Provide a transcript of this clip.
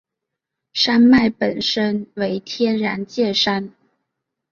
山脉本身为天然界山。